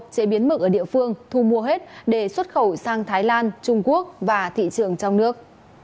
chế biến mực ở địa phương thu mua hết để xuất khẩu sang thái lan trung quốc và thị trường trong nước